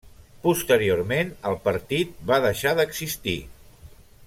Posteriorment el partit va deixar d'existir.